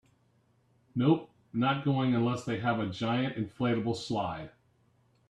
Nope, not going unless they have a giant inflatable slide.